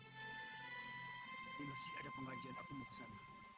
sekiranya ada pengajian aku mau ke sana